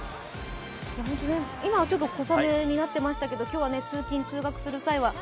今は小雨になってましたけれども、今日は通勤・通学する際は。